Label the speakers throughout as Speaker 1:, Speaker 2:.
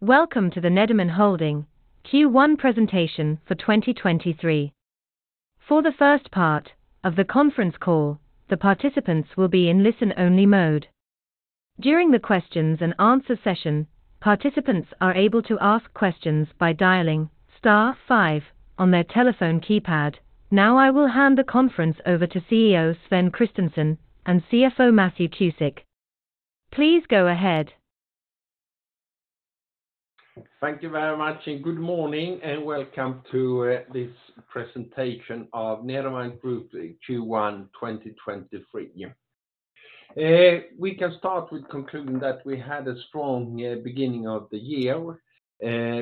Speaker 1: Welcome to the Nederman Holding Q1 presentation for 2023. For the first part of the conference call, the participants will be in listen-only mode. During the questions and answer session, participants are able to ask questions by dialing star five on their telephone keypad. Now I will hand the conference over to CEO Sven Kristensson and CFO Matthew Cusick. Please go ahead.
Speaker 2: Thank you very much, and good morning, and welcome to this presentation of Nederman Group Q1 2023. We can start with concluding that we had a strong beginning of the year.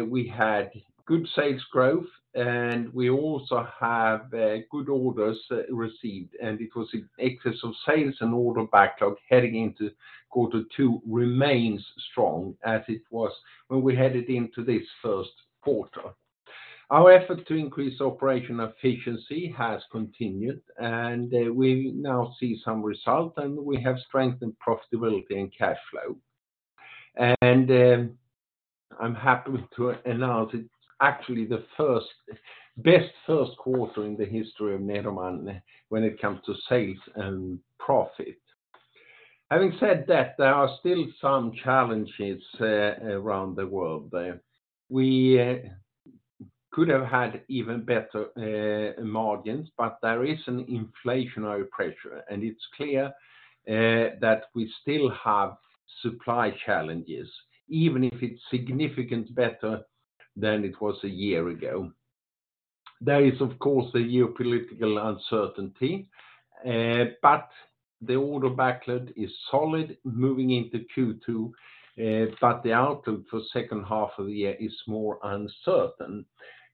Speaker 2: We had good sales growth, and we also have good orders received, and it was in excess of sales and order backlog heading into quarter two remains strong as it was when we headed into this first quarter. Our effort to increase operational efficiency has continued, and we now see some result, and we have strengthened profitability and cash flow. I'm happy to announce it's actually the best first quarter in the history of Nederman when it comes to sales and profit. There are still some challenges around the world. We could have had even better margins, but there is an inflationary pressure, and it's clear that we still have supply challenges, even if it's significant better than it was a year ago. There is, of course, the geopolitical uncertainty, but the order backlog is solid moving into Q2, but the outlook for second half of the year is more uncertain.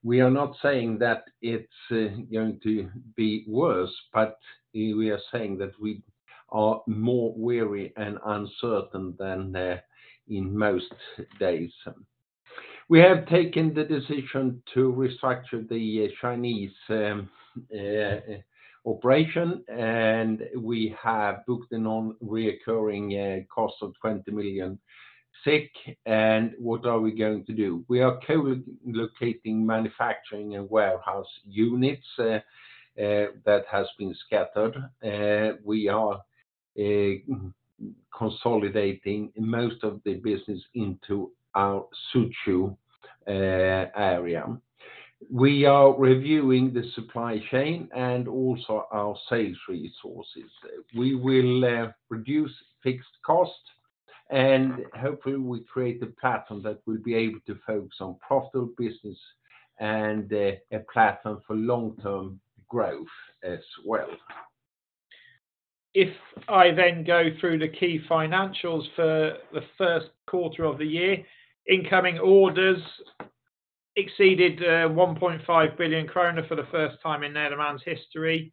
Speaker 2: We are not saying that it's going to be worse, but we are saying that we are more wary and uncertain than in most days. We have taken the decision to restructure the Chinese operation, and we have booked a non-recurring cost of 20 million. What are we going to do? We are co-locating manufacturing and warehouse units that has been scattered. We are consolidating most of the business into our Suzhou area. We are reviewing the supply chain and also our sales resources. We will reduce fixed cost and hopefully we create a platform that will be able to focus on profitable business and a platform for long-term growth as well.
Speaker 3: I then go through the key financials for the first quarter of the year, incoming orders exceeded, 1.5 billion kronor for the first time in Nederman's history.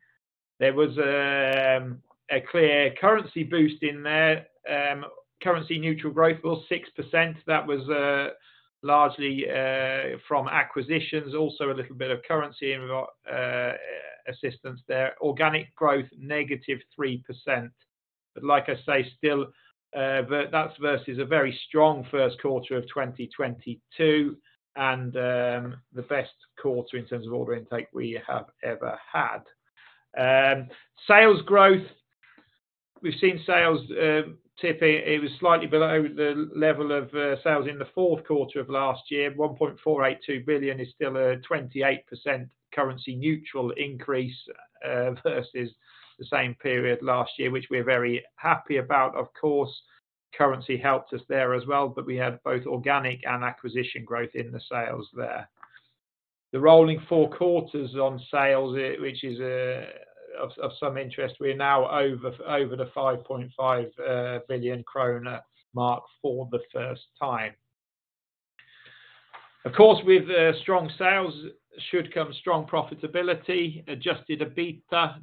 Speaker 3: There was a clear currency boost in there. Currency neutral growth was 6%. That was largely from acquisitions, also a little bit of currency and we got assistance there. Organic growth, -3%. Like I say, still, that's versus a very strong first quarter of 2022 and the best quarter in terms of order intake we have ever had. Sales growth. We've seen sales tipping. It was slightly below the level of sales in the fourth quarter of last year. 1.482 billion is still a 28% currency neutral increase versus the same period last year, which we are very happy about, of course. Currency helped us there as well. We had both organic and acquisition growth in the sales there. The rolling four quarters on sales, which is of some interest, we're now over the 5.5 billion kronor mark for the first time. Of course, with strong sales should come strong profitability. Adjusted EBITDA,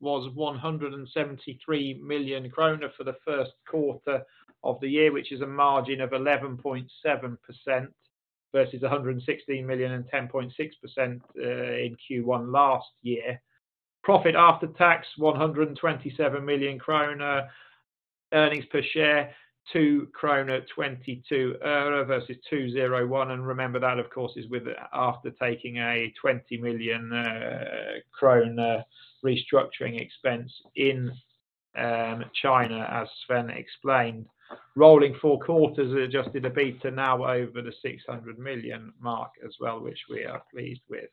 Speaker 3: that was 173 million kronor for the first quarter of the year, which is a margin of 11.7% versus 116 million and 10.6% in Q1 last year. Profit after tax, 127 million kronor. Earnings per share, 2.22 kronor earner versus 2.01. Remember that, of course, is after taking a 20 million kronor restructuring expense in China, as Sven explained. Rolling four quarters, Adjusted EBITDA now over the 600 million mark as well, which we are pleased with.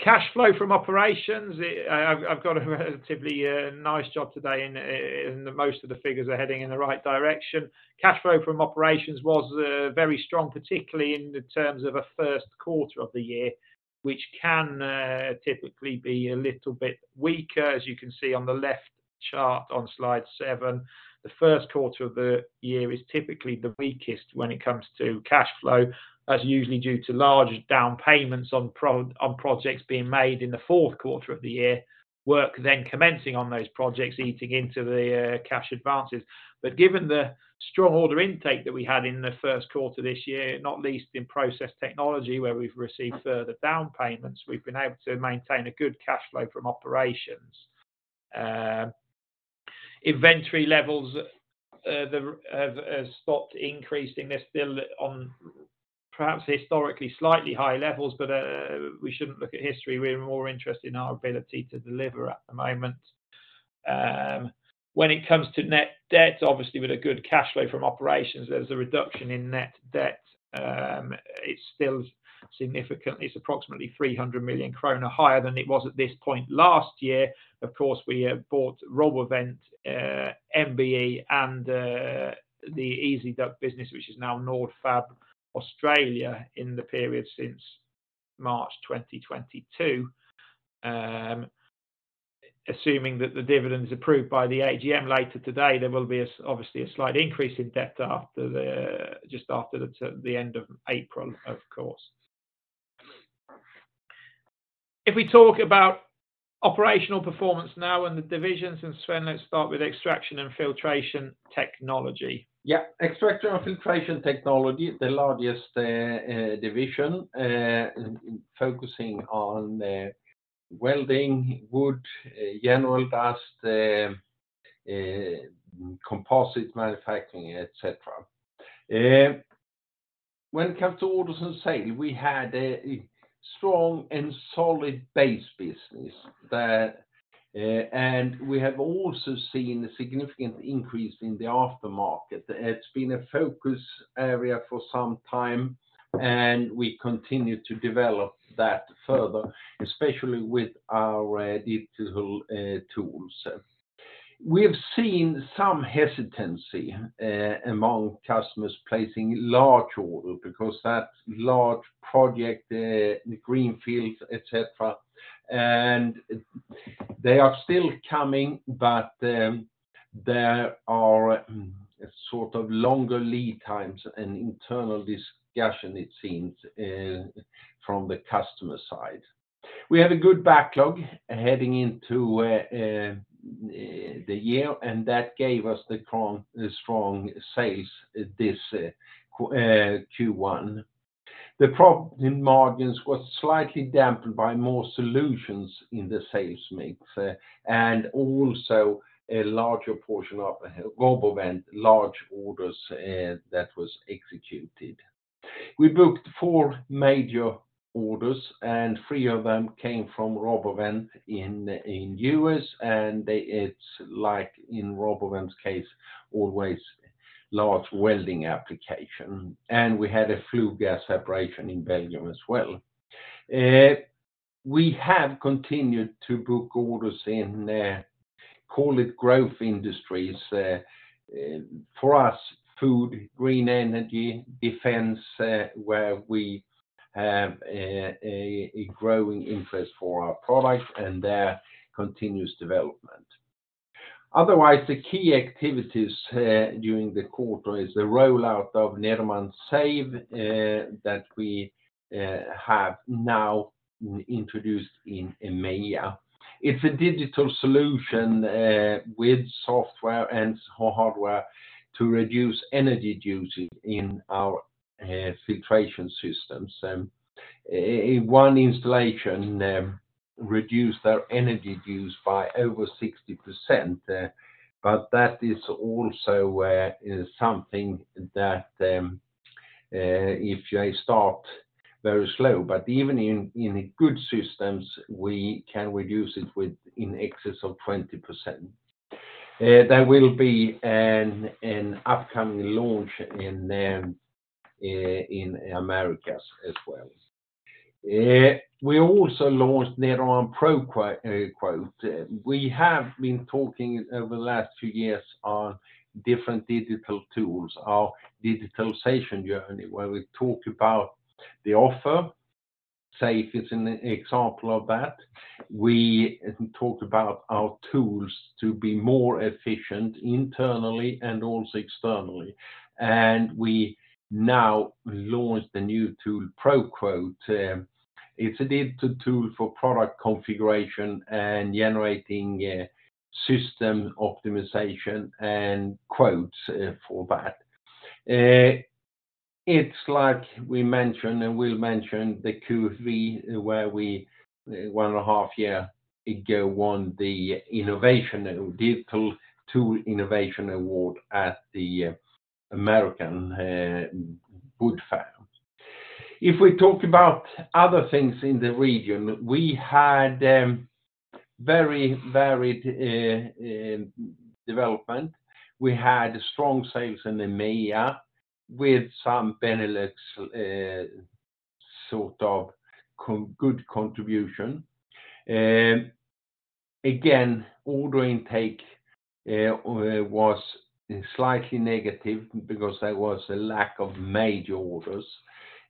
Speaker 3: Cash flow from operations, I've got a relatively nice job today in most of the figures are heading in the right direction. Cash flow from operations was very strong, particularly in the terms of a first quarter of the year, which can typically be a little bit weaker, as you can see on the left chart on slide seven. The first quarter of the year is typically the weakest when it comes to cash flow. That's usually due to large down payments on projects being made in the fourth quarter of the year, work then commencing on those projects, eating into the cash advances. Given the strong order intake that we had in the first quarter this year, not least in Process Technology, where we've received further down payments, we've been able to maintain a good cash flow from operations. Inventory levels have stopped increasing. They're still on perhaps historically slightly higher levels, but we shouldn't look at history. We're more interested in our ability to deliver at the moment. When it comes to net debt, obviously with a good cash flow from operations, there's a reduction in net debt. It's approximately 300 million kronor higher than it was at this point last year. Of course, we have bought RoboVent, MBE, and the Ezi-Duct business, which is now Nordfab Australia, in the period since March 2022. Assuming that the dividend is approved by the AGM later today, there will be obviously a slight increase in debt just after the end of April, of course. If we talk about operational performance now and the divisions, and Sven, let's start with Extraction & Filtration Technology.
Speaker 2: Extraction & Filtration Technology, the largest division, focusing on welding, wood, general dust, composite manufacturing, et cetera. When it comes to orders and sale, we had a strong and solid base business that. We have also seen a significant increase in the aftermarket. It's been a focus area for some time. We continue to develop that further, especially with our digital tools. We have seen some hesitancy among customers placing large orders because that large project, the greenfields, et cetera. They are still coming. There are sort of longer lead times and internal discussion, it seems, from the customer side. We have a good backlog heading into the year. That gave us the strong sales this Q1. The profit margins was slightly dampened by more solutions in the sales mix, and also a larger portion of RoboVent large orders that was executed. We booked four major orders, and three of them came from RoboVent in the U.S., it's like in RoboVent's case, always large welding application. We had a flue gas separation in Belgium as well. We have continued to book orders in call it growth industries. For us, food, green energy, defense, where we have a growing interest for our product and their continuous development. Otherwise, the key activities during the quarter is the rollout of Nederman SAVE that we have now introduced in EMEA. It's a digital solution with software and hardware to reduce energy usage in our filtration systems. One installation reduced our energy use by over 60%. That is also something that, if you start very slow, even in good systems, we can reduce it with in excess of 20%. There will be an upcoming launch in Americas as well. We also launched Nederman ProQuote. We have been talking over the last few years on different digital tools, our digitalization journey, where we talk about the offer. SAVE is an example of that. We talk about our tools to be more efficient internally and also externally. We now launched the new tool, ProQuote. It's a digital tool for product configuration and generating system optimization and quotes for that. It's like we mentioned, and we'll mention the Q3, where we, one and a half year ago, won the Digital Tool Innovation Award at the AWFS Fair. If we talk about other things in the region, we had very varied development. We had strong sales in EMEA with some Benelux, sort of good contribution. Again, order intake was slightly negative because there was a lack of major orders.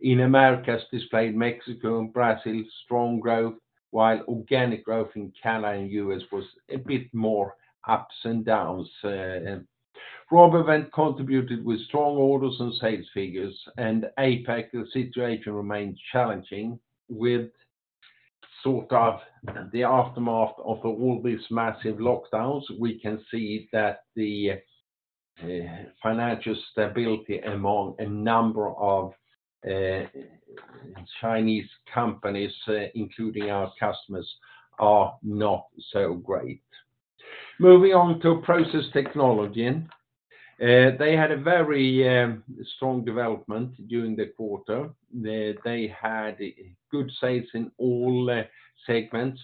Speaker 2: In Americas, despite Mexico and Brazil, strong growth, while organic growth in Canada and U.S. was a bit more ups and downs. RoboVent contributed with strong orders and sales figures. APAC, the situation remains challenging with sort of the aftermath of all these massive lockdowns. We can see that the financial stability among a number of Chinese companies, including our customers, are not so great. Moving on to Process Technology. They had a very strong development during the quarter. They had good sales in all segments.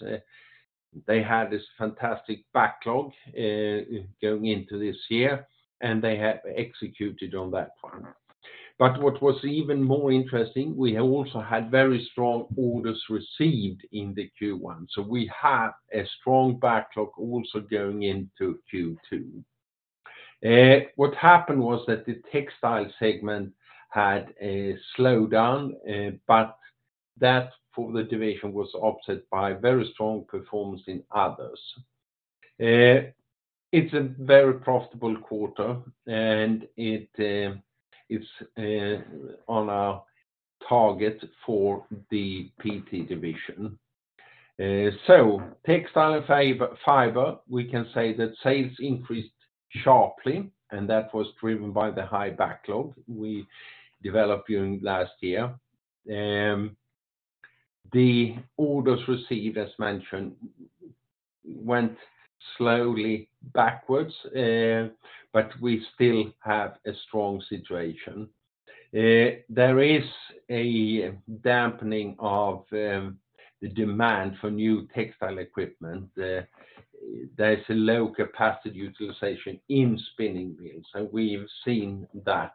Speaker 2: They had this fantastic backlog going into this year, and they have executed on that one. What was even more interesting, we have also had very strong orders received in the Q1. We have a strong backlog also going into Q2. What happened was that the textile segment had a slowdown, but that for the division was offset by very strong performance in others. It's a very profitable quarter, and it is on our target for the PT division. Textile fiber, we can say that sales increased sharply, and that was driven by the high backlog we developed during last year. The orders received, as mentioned, went slowly backwards, but we still have a strong situation. There is a dampening of the demand for new textile equipment. There's a low capacity utilization in spinning wheels, we've seen that.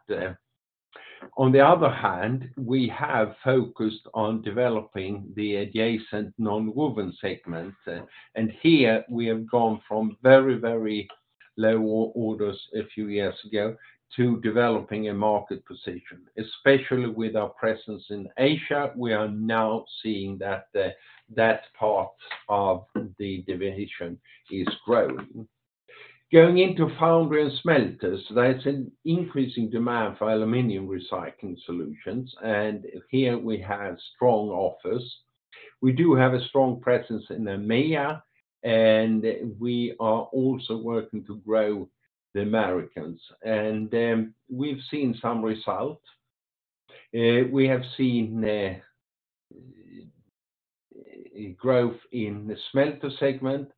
Speaker 2: On the other hand, we have focused on developing the adjacent nonwoven segment, here we have gone from very, very low orders a few years ago to developing a market position, especially with our presence in Asia. We are now seeing that that part of the division is growing. Going into foundry and smelters, there's an increasing demand for aluminum recycling solutions, here we have strong offers. We do have a strong presence in EMEA, we are also working to grow the Americans. We've seen some results. We have seen growth in the smelter segment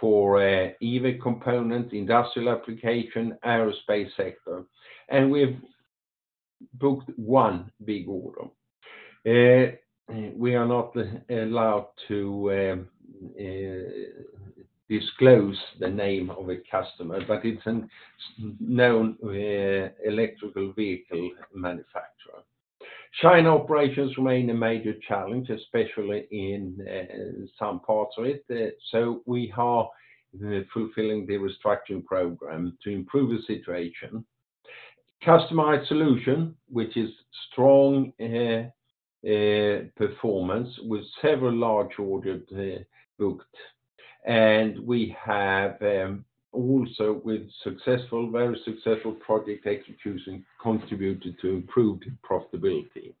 Speaker 2: for EV component, industrial application, aerospace sector, and we've booked one big order. We are not allowed to disclose the name of a customer, but it's a known electrical vehicle manufacturer. China operations remain a major challenge, especially in some parts of it, so we are fulfilling the restructuring program to improve the situation. Customized solution, which is strong performance with several large orders booked. We have also with successful, very successful project execution contributed to improved profitability.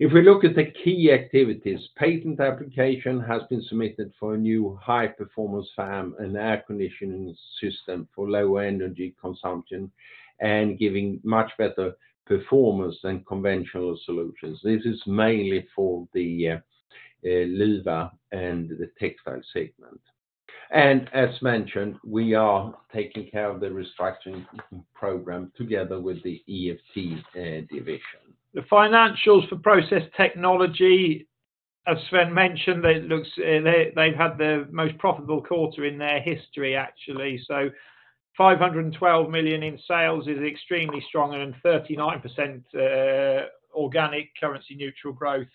Speaker 2: If we look at the key activities, patent application has been submitted for a new high-performance fan and air conditioning system for low energy consumption and giving much better performance than conventional solutions. This is mainly for the Luwa and the Textile segment. As mentioned, we are taking care of the restructuring program together with the EFT division.
Speaker 3: The financials for Process Technology, as Sven mentioned, it looks, they've had their most profitable quarter in their history, actually. 512 million in sales is extremely strong, and 39% organic currency neutral growth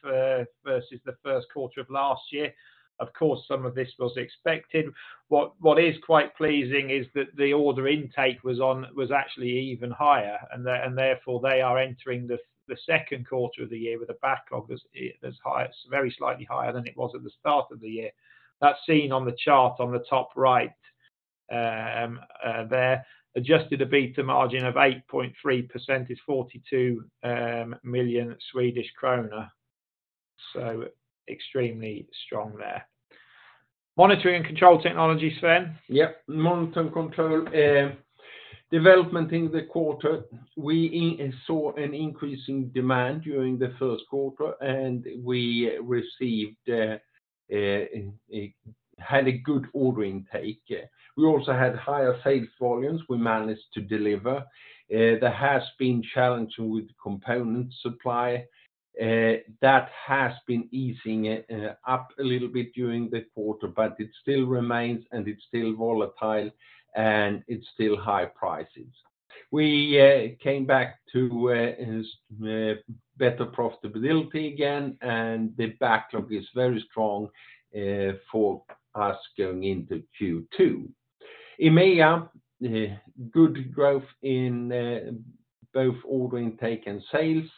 Speaker 3: versus the first quarter of last year. Of course, some of this was expected. What is quite pleasing is that the order intake was actually even higher, and therefore, they are entering the second quarter of the year with a backlog as high, very slightly higher than it was at the start of the year. That's seen on the chart on the top right there. Adjusted EBITDA margin of 8.3% is SEK 42 million, extremely strong there. Monitoring & Control Technology, Sven.
Speaker 2: Yep. Monitor and Control development in the quarter, we saw an increase in demand during the first quarter, we had a good order intake. We also had higher sales volumes we managed to deliver. There has been challenges with component supply. That has been easing up a little bit during the quarter, it still remains, and it's still volatile, and it's still high prices. We came back to better profitability again, the backlog is very strong for us going into Q2. EMEA good growth in both order intake and sales.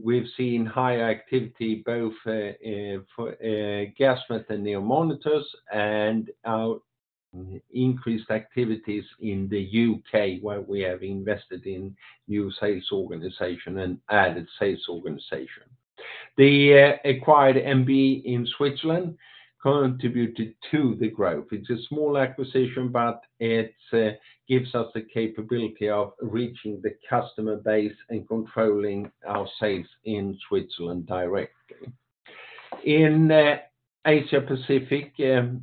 Speaker 2: We've seen higher activity both for Gasmet and NEO Monitors and our increased activities in the U.K., where we have invested in new sales organization and added sales organization. The acquired MBE in Switzerland contributed to the growth. It's a small acquisition, but it gives us the capability of reaching the customer base and controlling our sales in Switzerland directly. In Asia Pacific,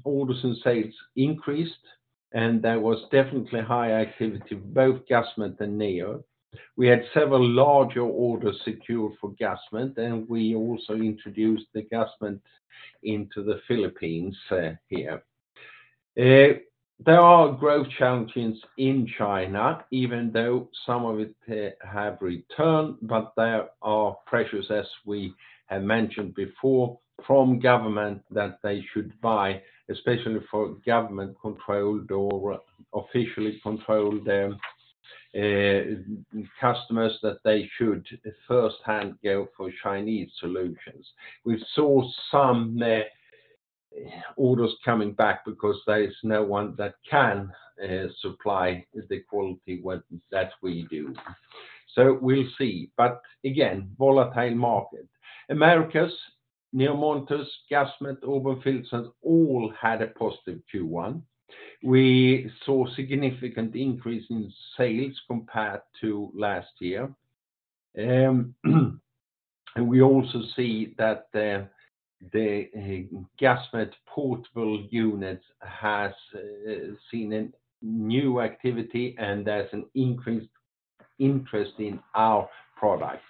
Speaker 2: orders and sales increased, and there was definitely high activity, both Gasmet and NEO. We had several larger orders secured for Gasmet, and we also introduced the Gasmet into the Philippines here. There are growth challenges in China, even though some of it have returned. There are pressures, as we have mentioned before, from government that they should buy, especially for government-controlled or officially controlled customers, that they should first hand go for Chinese solutions. We saw some orders coming back because there is no one that can supply the quality well as we do. We'll see. Again, volatile market. Americas, NEO Monitors, Gasmet, Auburn FilterSense all had a positive Q1. We saw significant increase in sales compared to last year. We also see that the Gasmet portable units has seen a new activity, and there's an increased interest in our products.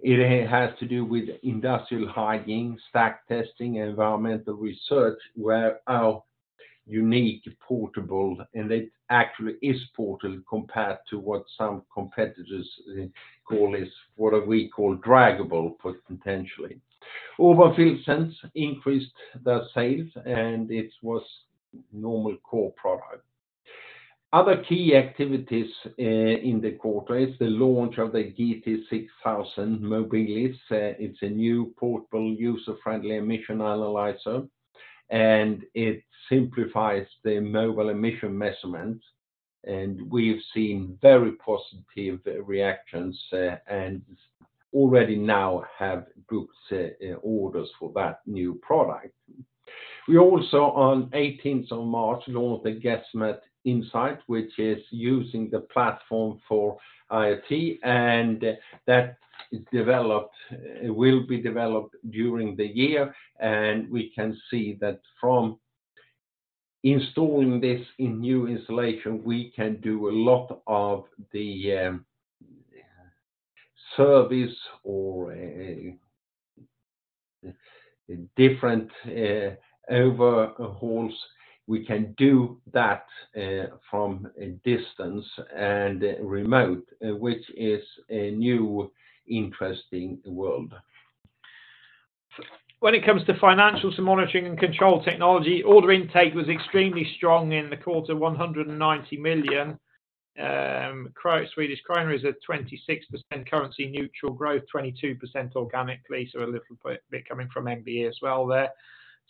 Speaker 2: It has to do with industrial hygiene, stack testing, environmental research, where our unique portable, and it actually is portable compared to what some competitors call is what we call draggable, but intentionally. Auburn FilterSense increased their sales, and it was normal core product. Other key activities in the quarter is the launch of GT6000 Mobilis. It's a new portable, user-friendly emission analyzer, and it simplifies the mobile emission measurement. We've seen very positive reactions, and already now have booked orders for that new product. We also, on 18th of March, launched the Gasmet Insight, which is using the platform for IoT, and that will be developed during the year. We can see that from installing this in new installation, we can do a lot of the service or different overhauls. We can do that from a distance and remote, which is a new interesting world.
Speaker 3: When it comes to financials and Monitoring & Control Technology, order intake was extremely strong in the quarter, 190 million is at 26% currency neutral growth, 22% organically, so a little bit coming from MBE as well there.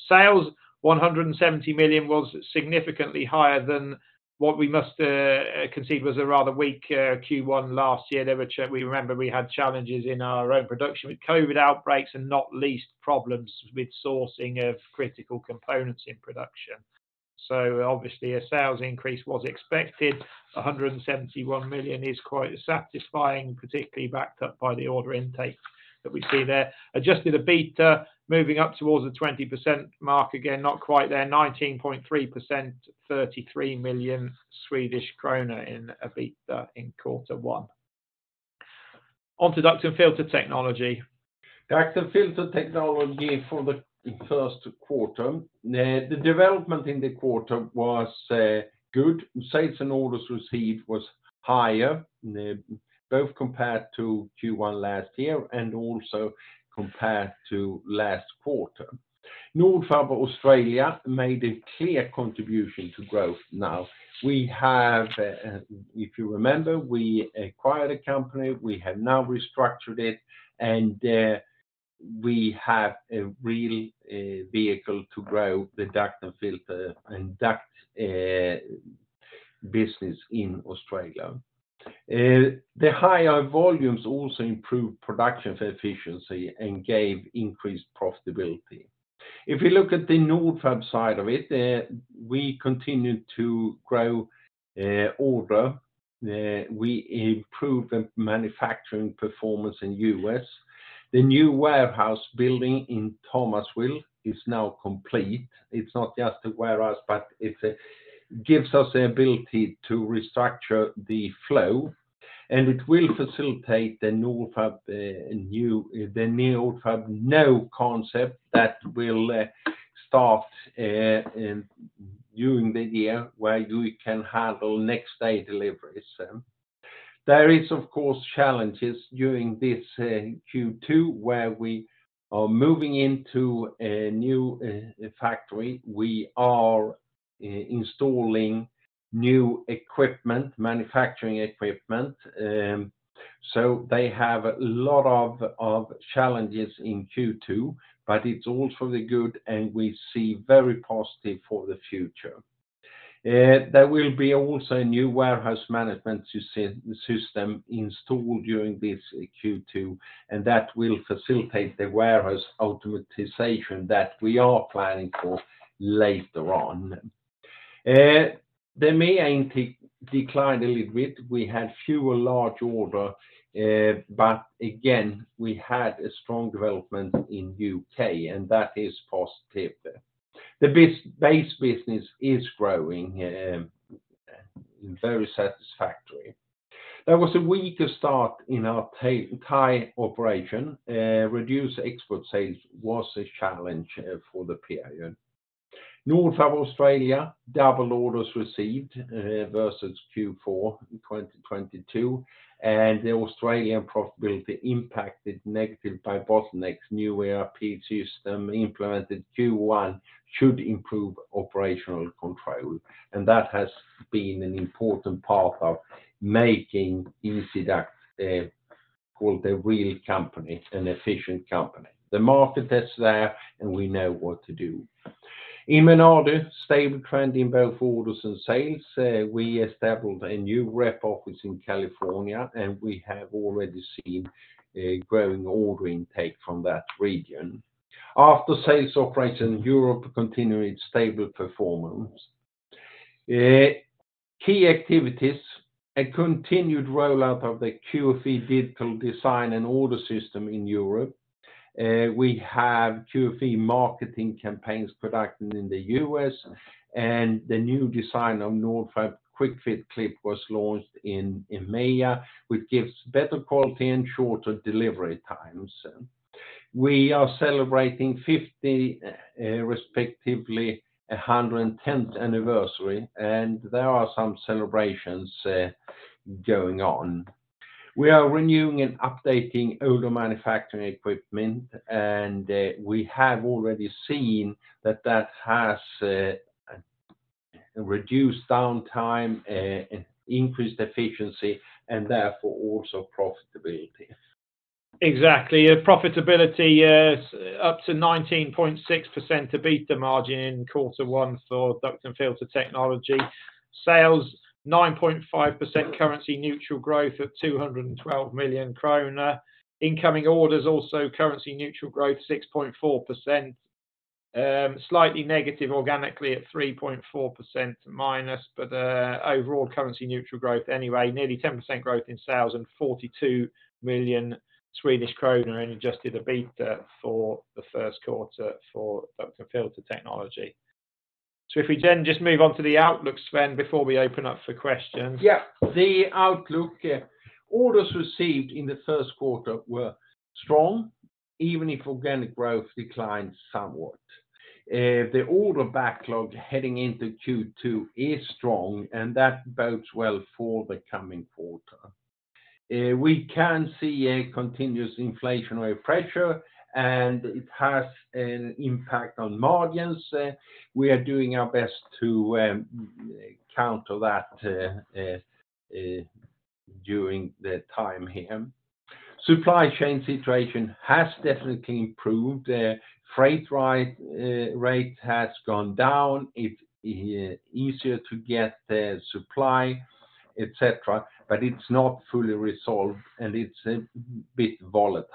Speaker 3: Sales, 170 million, was significantly higher than what we must conceive was a rather weak Q1 last year. We remember we had challenges in our own production with COVID outbreaks and not least problems with sourcing of critical components in production. Obviously a sales increase was expected. 171 million is quite satisfying, particularly backed up by the order intake that we see there. Adjusted EBITDA moving up towards the 20% mark. Again, not quite there. 19.3%, 33 million Swedish kronor in EBITDA in quarter one. On to Duct & Filter Technology.
Speaker 2: Duct & Filter Technology for the first quarter. The development in the quarter was good. Sales and orders received was higher, both compared to Q1 last year and also compared to last quarter. Nordfab Australia made a clear contribution to growth now. We have, if you remember, we acquired a company, we have now restructured it, and we have a real vehicle to grow the Duct & Filter and duct business in Australia. The higher volumes also improved production efficiency and gave increased profitability. If you look at the Nordfab side of it, we continued to grow order. We improved the manufacturing performance in U.S. The new warehouse building in Thomasville is now complete. It's not just a warehouse, but it gives us the ability to restructure the flow, and it will facilitate the Nordfab Now concept that will start during the year, where you can handle next day deliveries. There is of course challenges during this Q2, where we are moving into a new factory. We are installing new equipment, manufacturing equipment. They have a lot of challenges in Q2. It's all for the good. We see very positive for the future. There will be also a new warehouse management system installed during this Q2. That will facilitate the warehouse automatization that we are planning for later on. The MEA indeed declined a little bit. We had fewer large order. Again, we had a strong development in U.K. That is positive. The base business is growing, very satisfactory. There was a weaker start in our Thai operation. Reduced export sales was a challenge for the period. Nordfab Australia, double orders received versus Q4 2022, and the Australian profitability impacted negative by bottlenecks. New ERP system implemented Q1 should improve operational control, and that has been an important part of making Ezi-Duct, well, the real company, an efficient company. The market is there, and we know what to do. In Menardi, stable trend in both orders and sales. We established a new rep office in California, and we have already seen a growing order intake from that region. Aftersales operations in Europe continue its stable performance. Key activities, a continued rollout of the QFE Fit Clip design and order system in Europe. We have QFE marketing campaigns production in the U.S., and the new design of Nordfab Quick-Fit Clip was launched in MEA, which gives better quality and shorter delivery times. We are celebrating 50, respectively 110th anniversary, and there are some celebrations going on. We are renewing and updating older manufacturing equipment, and we have already seen that that has reduced downtime, increased efficiency, and therefore also profitability.
Speaker 3: Exactly. Profitability is up to 19.6% EBITDA margin in quarter one for Duct & Filter Technology. Sales, 9.5% currency neutral growth of 212 million kronor. Incoming orders also currency neutral growth 6.4%. Slightly negative organically at -3.4%, but overall currency neutral growth anyway. Nearly 10% growth in sales and 42 million Swedish kronor in Adjusted EBITDA for the first quarter for Duct & Filter Technology. We then just move on to the outlook, Sven, before we open up for questions.
Speaker 2: The outlook, orders received in the first quarter were strong, even if organic growth declined somewhat. The order backlog heading into Q2 is strong, that bodes well for the coming quarter. We can see a continuous inflationary pressure, it has an impact on margins. We are doing our best to counter that during the time here. Supply chain situation has definitely improved. Freight rate has gone down. It's easier to get the supply, et cetera, but it's not fully resolved, and it's a bit volatile.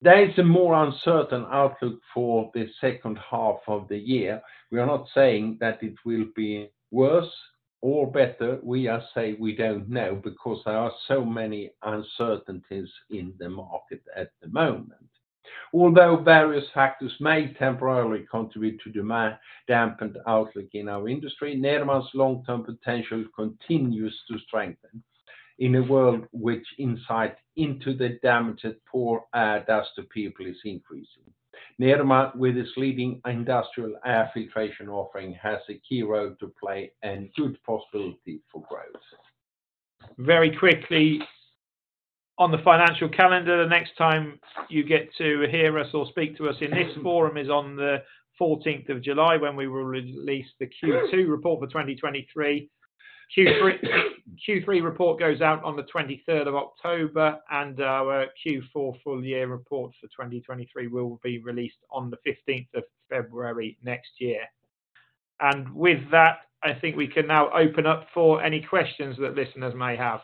Speaker 2: There is a more uncertain outlook for the second half of the year. We are not saying that it will be worse or better. We are saying we don't know because there are so many uncertainties in the market at the moment. Although various factors may temporarily contribute to demand dampened outlook in our industry, Nederman's long-term potential continues to strengthen in a world which insight into the damaging poor air dust to people is increasing. Nederman, with its leading industrial air filtration offering, has a key role to play and good possibility for growth.
Speaker 3: Very quickly, on the financial calendar, the next time you get to hear us or speak to us in this forum is on the 14th of July when we will release the Q2 report for 2023. Q3 report goes out on the 23rd of October, our Q4 full year report for 2023 will be released on the 15th of February next year. With that, I think we can now open up for any questions that listeners may have.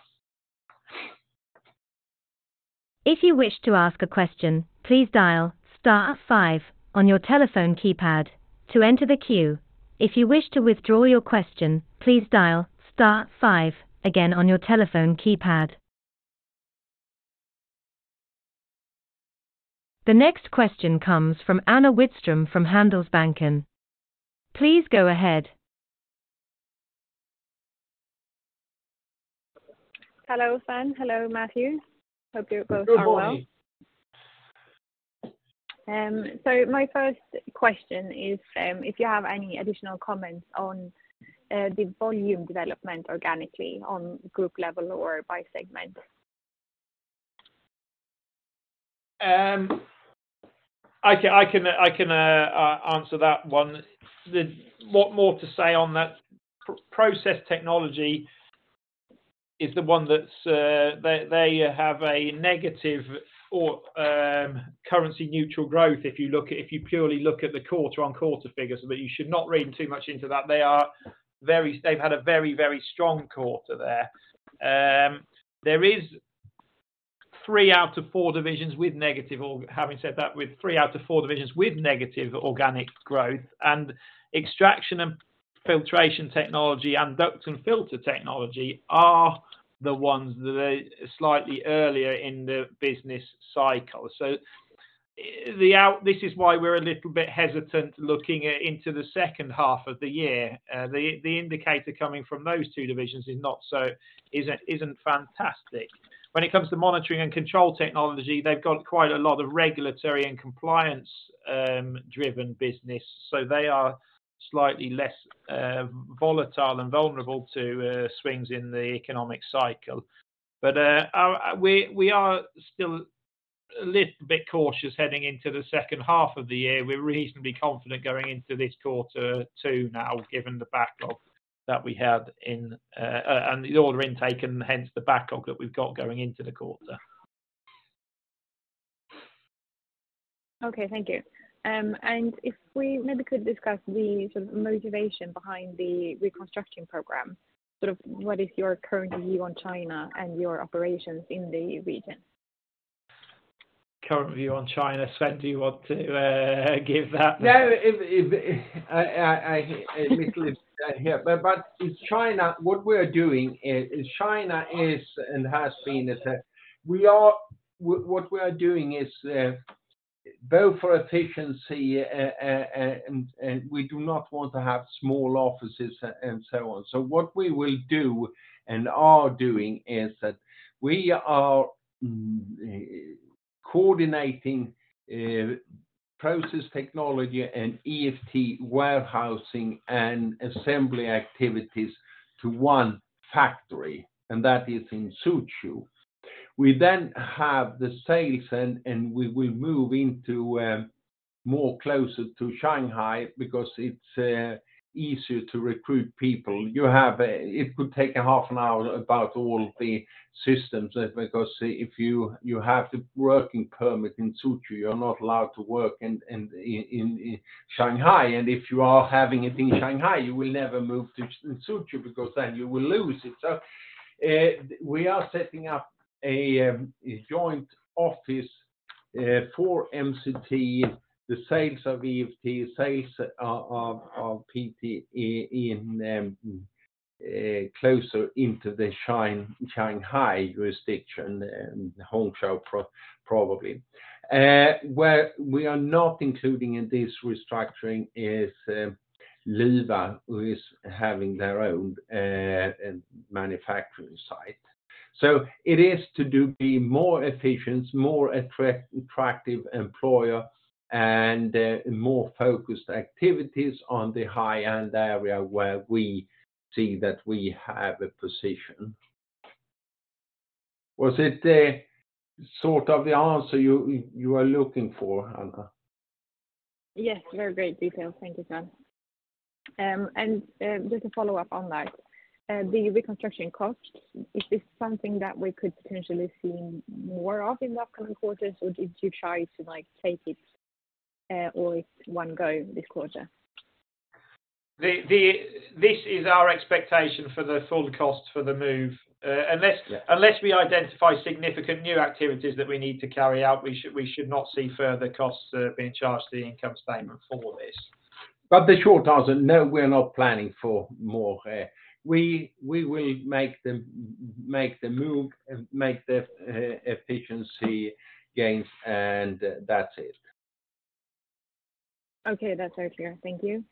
Speaker 1: If you wish to ask a question, please dial star five on your telephone keypad to enter the queue. If you wish to withdraw your question, please dial star five again on your telephone keypad. The next question comes from Anna Widström from Handelsbanken. Please go ahead.
Speaker 4: Hello, Sven. Hello, Matthew. Hope you're both are well.
Speaker 2: Good morning.
Speaker 4: My first question is if you have any additional comments on the volume development organically on group level or by segment?
Speaker 3: I can answer that one. Not more to say on that. Process Technology is the one that's, they have a negative or currency neutral growth, if you purely look at the quarter-on-quarter figures, but you should not read too much into that. They've had a very strong quarter there. There is three out of four divisions with negative or having said that, with three out of four divisions with negative organic growth, Extraction & Filtration Technology and Duct & Filter Technology are the ones that are slightly earlier in the business cycle. This is why we're a little bit hesitant looking into the second half of the year. The indicator coming from those two divisions isn't fantastic. When it comes to Monitoring & Control Technology, they've got quite a lot of regulatory and compliance driven business, so they are slightly less volatile and vulnerable to swings in the economic cycle. We are still a little bit cautious heading into the second half of the year. We're reasonably confident going into this quarter, too, now, given the backlog that we had in and the order intake and hence the backlog that we've got going into the quarter.
Speaker 4: Okay, thank you. If we maybe could discuss the sort of motivation behind the reconstruction program, sort of what is your current view on China and your operations in the region?
Speaker 3: Current view on China. Sven, do you want to give that?
Speaker 2: No, it. I In China, what we're doing is China is and has been is that what we are doing is both for efficiency and we do not want to have small offices and so on. What we will do and are doing is that we are coordinating Process Technology and EFT warehousing and assembly activities to one factory, and that is in Suzhou. We have the sales and we will move into more closer to Shanghai because it's easier to recruit people. It could take a half an hour about all the systems, because if you have the working permit in Suzhou, you're not allowed to work in Shanghai. If you are having it in Shanghai, you will never move to Suzhou because then you will lose it. We are setting up a joint office for MCT, the sales of EFT, sales of PT in closer into the Shanghai jurisdiction and Hongqiao probably. Where we are not including in this restructuring is Luwa, who is having their own manufacturing site. It is to do, be more efficient, more attractive employer, and more focused activities on the high-end area where we see that we have a position. Was it the sort of the answer you are looking for, Anna?
Speaker 4: Yes, very great detail. Thank you, Sven. Just a follow-up on that. The reconstruction cost, is this something that we could potentially see more of in the upcoming quarters, or did you try to, like, take it all in one go this quarter?
Speaker 3: This is our expectation for the full cost for the move. Unless we identify significant new activities that we need to carry out, we should not see further costs, being charged to the income statement for this.
Speaker 2: The short answer, no, we're not planning for more. We will make the move, make the efficiency gains, and that's it.
Speaker 4: Okay, that's very clear. Thank you.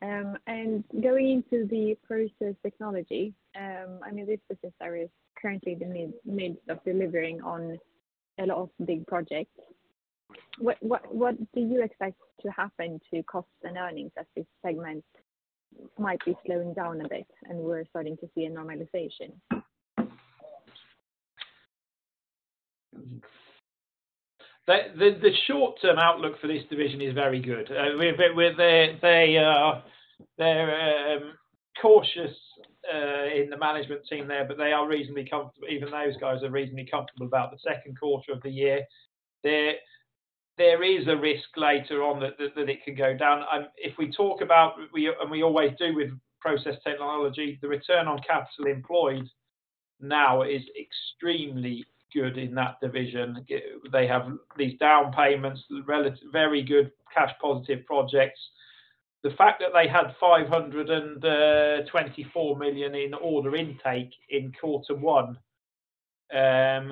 Speaker 4: Going into the Process Technology, I mean, this business area is currently in the midst of delivering on a lot of big projects. What do you expect to happen to costs and earnings as this segment might be slowing down a bit and we're starting to see a normalization?
Speaker 3: The short-term outlook for this division is very good. They, they're cautious in the management team there, but they are reasonably comfortable. Even those guys are reasonably comfortable about the second quarter of the year. There is a risk later on that, that it could go down. If we talk about, we, and we always do with Process Technology, the Return on Capital Employed now is extremely good in that division. They have these down payments, very good cash positive projects. The fact that they had 524 million in order intake in quarter one has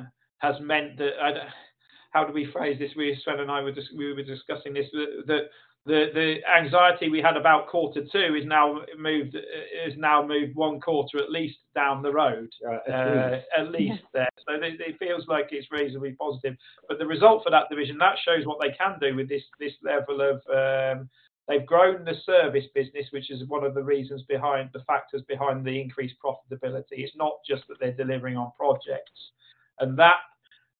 Speaker 3: meant that. How do we phrase this? We, Sven and I were discussing this, the anxiety we had about quarter two is now moved one quarter at least down the road. At least there. It feels like it's reasonably positive. The result for that division, that shows what they can do with this level of. They've grown the service business, which is one of the reasons behind the factors behind the increased profitability. It's not just that they're delivering on projects. That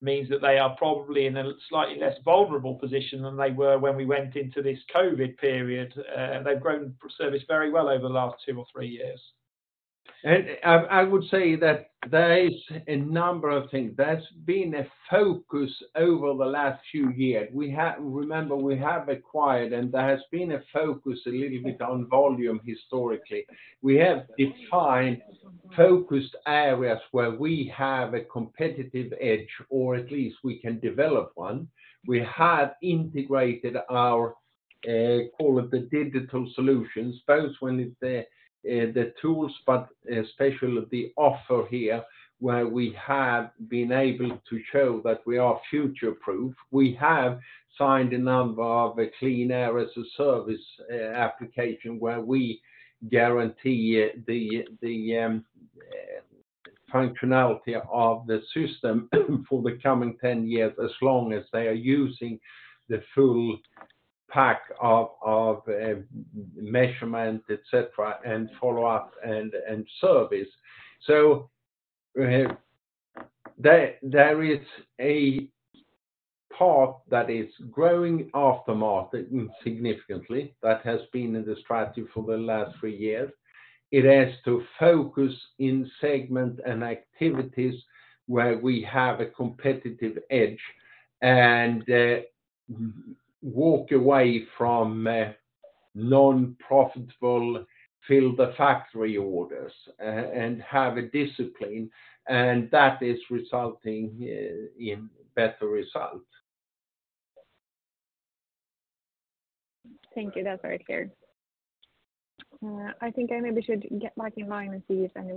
Speaker 3: means that they are probably in a slightly less vulnerable position than they were when we went into this COVID period. They've grown service very well over the last two or three years.
Speaker 2: I would say that there is a number of things. There's been a focus over the last few years. Remember, we have acquired, and there has been a focus a little bit on volume historically. We have defined focused areas where we have a competitive edge, or at least we can develop one. We have integrated our, call it the digital solutions, both when it's the tools, but especially the offer here, where we have been able to show that we are future-proof. We have signed a number of Clean Air as a Service application where we guarantee the functionality of the system for the coming 10 years, as long as they are using the full pack of measurement, et cetera, and follow-up and service. There is a part that is growing aftermarket significantly. That has been in the strategy for the last three years. It has to focus in segment and activities where we have a competitive edge and walk away from non-profitable fill the factory orders and have a discipline, and that is resulting in better results.
Speaker 4: Thank you. That's very clear. I think I maybe should get back in line and see if anyone-.